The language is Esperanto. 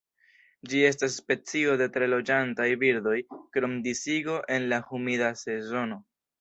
Ĝi estas specio de tre loĝantaj birdoj, krom disigo en la humida sezono.